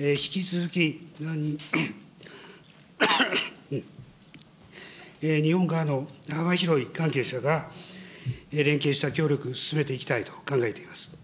引き続き日本側の幅広い関係者が連携した協力を進めていきたいと考えています。